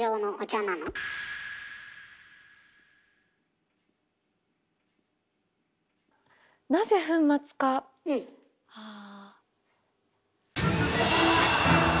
なぜ粉末かあ。